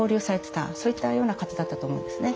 そういったような方だったと思うんですね。